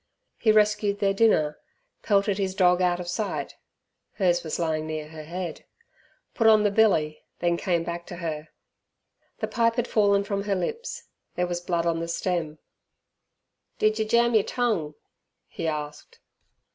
He rescued their dinner, pelted his dog out of sight hers was lying near her head put on the billy, then came back to her. The pipe had fallen from her lips; there was blood on the stem. "Did yer jam yer tongue?" he asked.